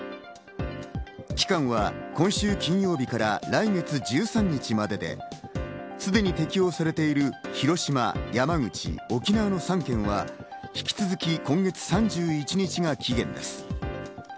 期間は今週金曜日から来月１３日までで、すでに適応されている広島・山口・沖縄の３県は、引き続き、今月３１日が期限です。